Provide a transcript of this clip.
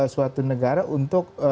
suatu negara untuk